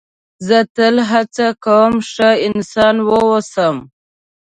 زه تل هڅه کوم ښه انسان و اوسم.